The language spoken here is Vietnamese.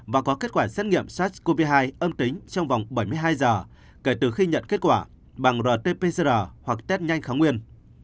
và có kết quả xét nghiệm sars cov hai âm tính trong vòng bảy mươi hai giờ kể từ khi nhận kết quả bằng rt pcr hoặc test nhanh kháng nguyên